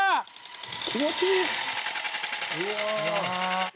「気持ちいい！」